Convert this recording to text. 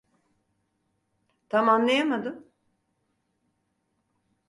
Tam anlayamadım.